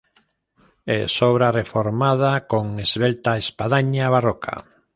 Es obra reformada, con esbelta espadaña barroca.